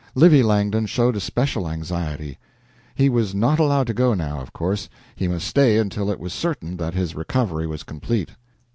Livy Langdon showed especial anxiety. He was not allowed to go, now, of course; he must stay until it was certain that his recovery was complete.